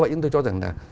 nhưng tôi cho rằng là